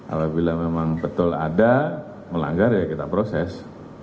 apabila memang betul ada melanggar ya kita proses